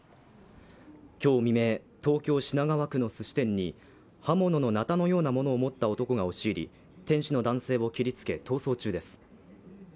今日未明、東京・品川区のすし店に刃物のなたのようなものを持った男が押し入り、店主の男性を切りつけ逃走中です。